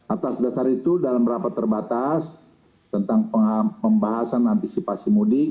atas dasar itu dalam rapat terbatas tentang pembahasan antisipasi mudik